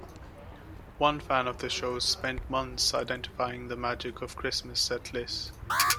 One fan of the show spent months identifying the Magic of Christmas set list.